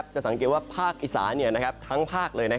จะสังเกตว่าภาคอีสานทั้งภาคเลย